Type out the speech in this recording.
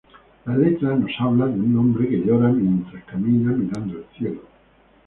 La letra nos habla de un hombre que llora mientras camina mirando el cielo.